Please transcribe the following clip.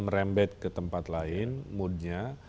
merembet ke tempat lain mood nya